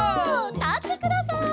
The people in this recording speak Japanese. たってください！